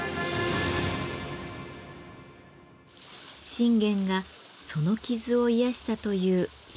信玄がその傷を癒やしたという湯村温泉。